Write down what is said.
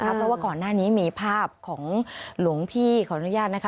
เพราะว่าก่อนหน้านี้มีภาพของหลวงพี่ขออนุญาตนะคะ